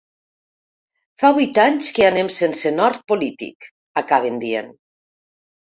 Fa vuit anys que anem sense nord polític, acaben dient.